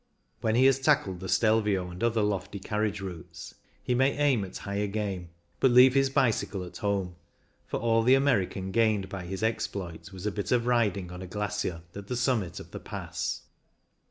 When he has tackled the Stelvio and other lofty carriage routes, he may aim at higher game, but leave his bicycle at home, for all the American gained by his exploit was a bit of riding on a glacier at the summit of the Pass.